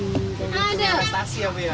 untuk investasi ya bu